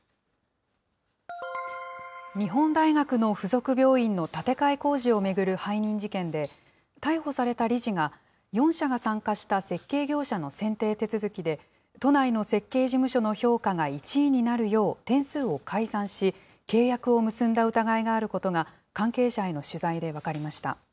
日本大学の付属病院の建て替え工事を巡る背任事件で、逮捕された理事が、４社が参加した設計業者の選定手続きで、都内の設計事務所の評価が１位になるよう点数を改ざんし、契約を結んだ疑いがあることが、関係者への取材で分かりました。